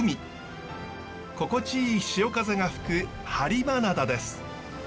心地いい潮風が吹く播磨灘です。